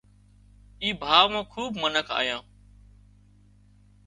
اي ڀاوَ مان کوٻ منک آيان